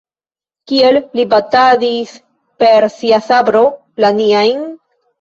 Kiel li batadis per sia sabro la niajn?